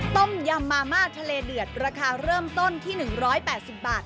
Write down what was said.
ต้มยำมาม่าทะเลเดือดราคาเริ่มต้นที่๑๘๐บาท